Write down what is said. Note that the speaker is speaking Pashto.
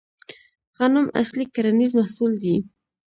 غنم اصلي کرنیز محصول دی